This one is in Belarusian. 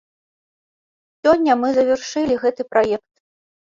Сёння мы завяршылі гэты праект.